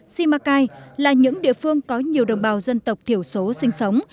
simacai là những địa phương có nhiều đồng bào dân tộc thiểu số sinh sống